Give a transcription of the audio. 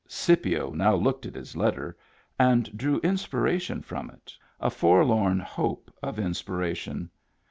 Scipio now looked at his letter, and drew in spiration from it, a forlorn hope of inspiration.